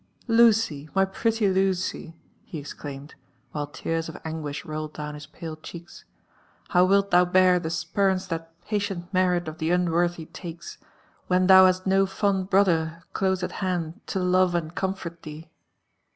'' Lucy ! my pretty Lucy 1" he exclaimed, while tears of anguish rolled down his pale cheeks, '' how wilt thou bear ' the spurns that patient merit of the unworthy takes/ when thou hast no fond brother close at hand to love and comfort thee?"